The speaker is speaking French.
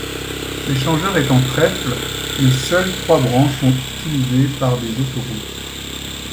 L’échangeur est en trèfle mais seul trois branches sont utilisées par des autoroutes.